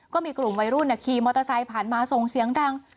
ก็มีกลุ่มวัยรุ่นขี่มอเตอร์ไซค์ผ่านมาส่งเสียงดัง